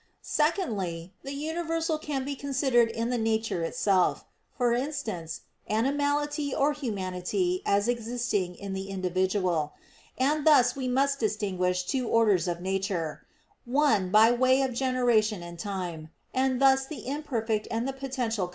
Secondly, the universal can be considered in the nature itself for instance, animality or humanity as existing in the individual. And thus we must distinguish two orders of nature: one, by way of generation and time; and thus the imperfect and the potential come first.